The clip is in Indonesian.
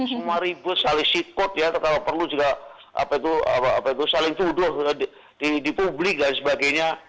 semua ribut saling sikut ya kalau perlu juga saling tuduh di publik dan sebagainya